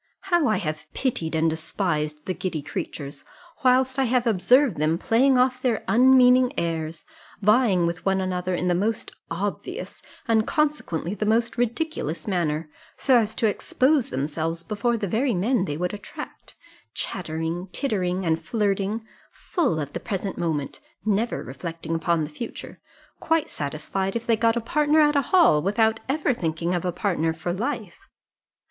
How I have pitied and despised the giddy creatures, whilst I have observed them playing off their unmeaning airs, vying with one another in the most obvious, and consequently the most ridiculous manner, so as to expose themselves before the very men they would attract: chattering, tittering, and flirting; full of the present moment, never reflecting upon the future; quite satisfied if they got a partner at a ball, without ever thinking of a partner for life!